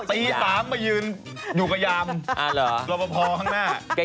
ตี๓ไปยืนอยู่กับยำรอบรพข้างหน้าอ๋อใช่ไหม